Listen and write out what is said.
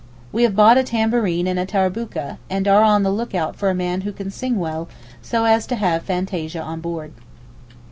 We have bought a tambourine and a tarabouka, and are on the look out for a man who can sing well, so as to have fantasia on board.